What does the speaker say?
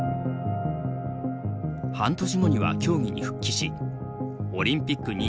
半年後には競技に復帰しオリンピック